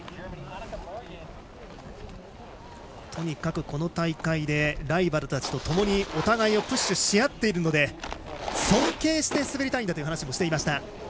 とにかくこの大会でライバルたちとともにお互いをプッシュし合っているので尊敬して滑りたいんだという話もしていました。